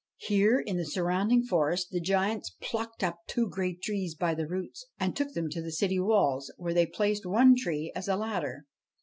Here, in the surrounding forest, the giants plucked up two great trees by the roots, and took them to the city walls, where they placed one tree as a ladder.